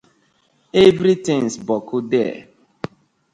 Everytins boku there.